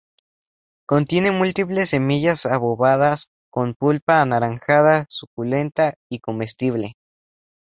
Contiene múltiples semillas obovadas, con pulpa anaranjada, suculenta y comestible.